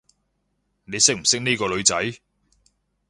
你識唔識呢個女仔？